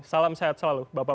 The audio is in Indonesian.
salam sehat selalu bapak